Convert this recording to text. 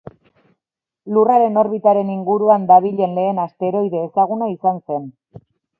Lurraren orbitaren inguruan dabilen lehen asteroide ezaguna izan zen.